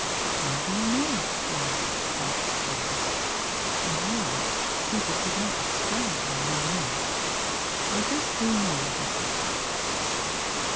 "How do you know?" they asked, quite surprised, and, really, Peter could not explain how he knew. "I just do know," he said.